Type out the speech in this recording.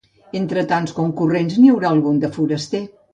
Entre tants concurrents, n'hi haurà algun de foraster.